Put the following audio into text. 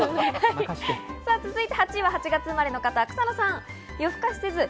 ８位は８月生まれの方、草野さん。